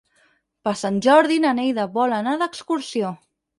Per Sant Jordi na Neida vol anar d'excursió.